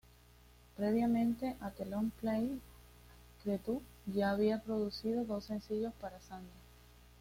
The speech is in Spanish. Previamente a "The Long Play", Cretu ya había producido dos sencillos para Sandra.